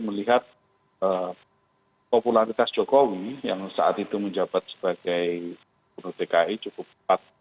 melihat popularitas jokowi yang saat itu menjabat sebagai gubernur dki cukup kuat